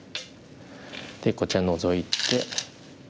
でこちらノゾいて。